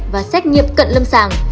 và xét nghiệp cận lâm sàng